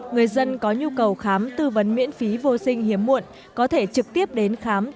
người dân có nhu cầu khám tư vấn miễn phí vô sinh hiếm muộn có thể trực tiếp đến khám